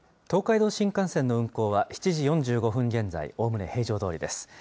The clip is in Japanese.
東海道新幹線の運行は７時４５分現在、おおむね平常どおりです。